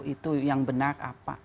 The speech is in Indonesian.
itu yang benar apa